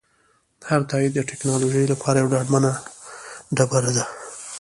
هر تایید د ټکنالوژۍ لپاره یوه ډاډمنه ډبره ده.